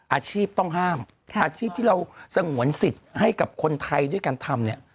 อาชีพต้องห้ามอาชีพที่เราสงวนสิทธิ์ให้กับคนไทยด้วยการทำเนี่ย